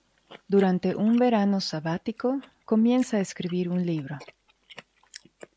Durante un verano sabático, comienza a escribir un libro.